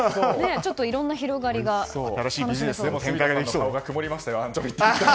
いろんな広がりが楽しめそうですね。